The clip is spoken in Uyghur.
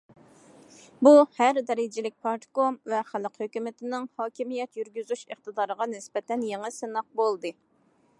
بۇ ھەر دەرىجىلىك پارتكوم ۋە خەلق ھۆكۈمىتىنىڭ ھاكىمىيەت يۈرگۈزۈش ئىقتىدارىغا نىسبەتەن يېڭى سىناق بولدى.